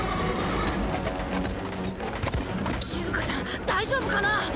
しずかちゃん大丈夫かな？